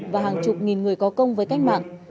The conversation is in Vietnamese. và hàng chục nghìn người có công với cách mạng